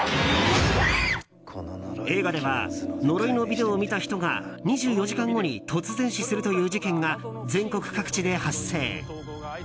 映画では呪いのビデオを見た人が２４時間後に突然死するという事件が全国各地で発生。